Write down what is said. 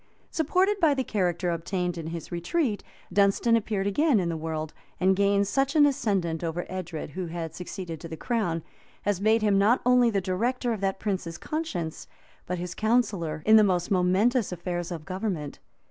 ] Supported by the character obtained in his retreat, Dunstan appeared again in the world; and gained such an ascendent over Edred who had succeeded to the crown, as made him not only the director of that prince's conscience, but his counsellor in the most momentous affairs of government.